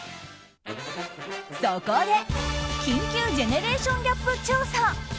そこで、緊急ジェネレーションギャップ調査！